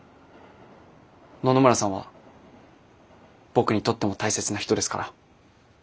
野々村さんは僕にとっても大切な人ですから。